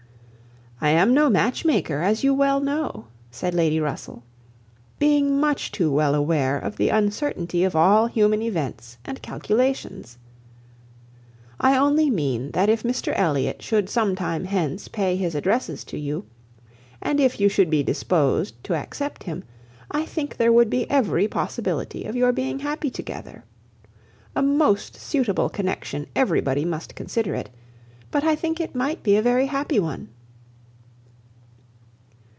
"I am no match maker, as you well know," said Lady Russell, "being much too well aware of the uncertainty of all human events and calculations. I only mean that if Mr Elliot should some time hence pay his addresses to you, and if you should be disposed to accept him, I think there would be every possibility of your being happy together. A most suitable connection everybody must consider it, but I think it might be a very happy one."